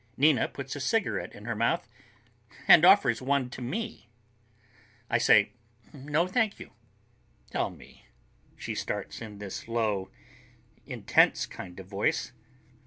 Nina puts a cigarette in her mouth and offers one to me. I say, "No, thank you." "Tell me...." She talks in this low, intense kind of voice.